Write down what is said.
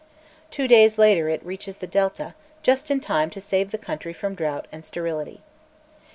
Two days later it reaches the Delta, just in time to save the country from drought and sterility.